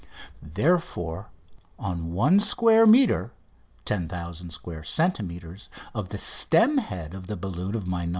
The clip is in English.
Therefore on one square metre (10,000 square centimetres) of the stem head of the balloon of my "No.